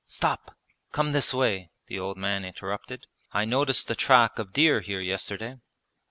'Stop! Come this way,' the old man interrupted. 'I noticed the track of deer here yesterday.'